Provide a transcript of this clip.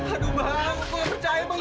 aku gak percaya bang